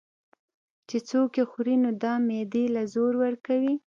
چې څوک ئې خوري نو دا معدې له زور ورکوي